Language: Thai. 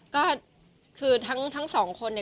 ก็คือทั้งสองคนเนี่ย